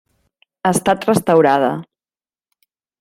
Ha estat restaurada.